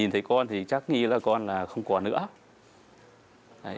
thì con thì chắc nghĩ là con là không còn nữa